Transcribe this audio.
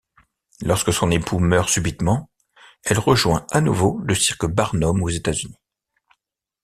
Lorsque son époux meurt subitement, elle rejoint à nouveau le cirque Barnum aux États-Unis.